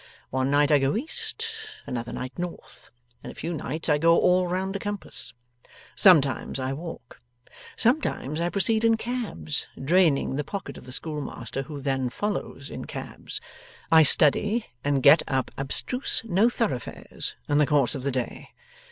One night I go east, another night north, in a few nights I go all round the compass. Sometimes, I walk; sometimes, I proceed in cabs, draining the pocket of the schoolmaster who then follows in cabs. I study and get up abstruse No Thoroughfares in the course of the day.